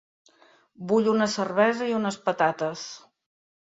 Vull una cervesa i unes patates.